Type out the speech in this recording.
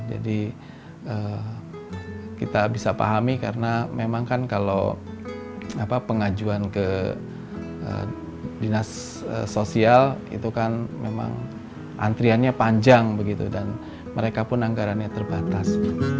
jadi kita bisa pahami karena memang kan kalau pengajuan ke dinas sosial itu kan memang antriannya panjang begitu dan mereka pun anggarannya terbatas